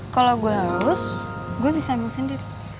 kalau gue haus gue bisa main sendiri